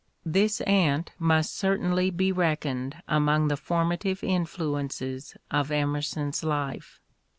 This aunt must certainly be reckoned among the formative influences of Emerson's life.